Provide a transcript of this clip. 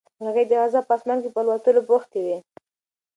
مرغۍ د غزا په اسمان کې په الوتلو بوختې وې.